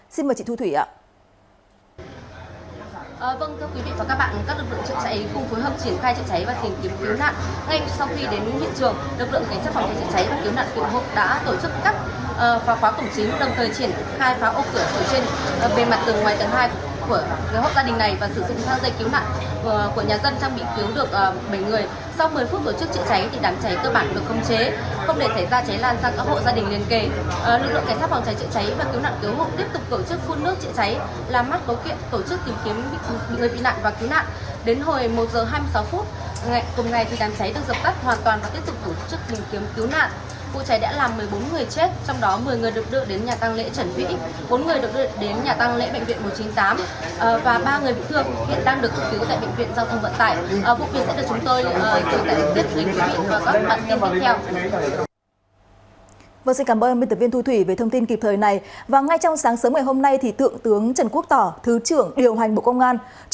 xin mời chị thu thủy ạ